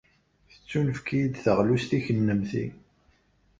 Tettunefk-iyi-d teɣlust i kennemti.